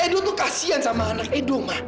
edo tuh kasian sama anak edo mak